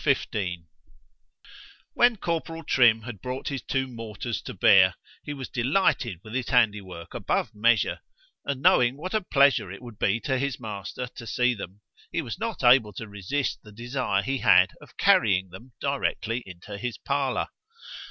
XV WHEN Corporal Trim had brought his two mortars to bear, he was delighted with his handy work above measure; and knowing what a pleasure it would be to his master to see them, he was not able to resist the desire he had of carrying them directly into his parlour.